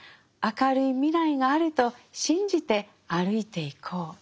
明るい未来があると信じて歩いていこう。